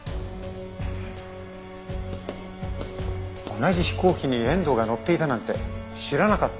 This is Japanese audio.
同じ飛行機に遠藤が乗っていたなんて知らなかった。